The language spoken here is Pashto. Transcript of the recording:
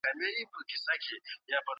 د توليد په پروسه کي د خلګو ونډه ډېره مهمه ده.